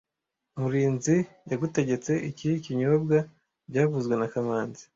Murinzi yagutegetse iki kinyobwa byavuzwe na kamanzi